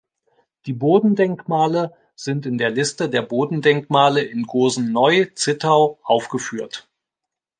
Die Bodendenkmale sind in der Liste der Bodendenkmale in Gosen-Neu Zittau aufgeführt.